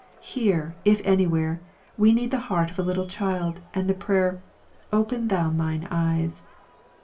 Here, if anywhere, we need the heart of a little child, and the prayer " open thou mine eyes."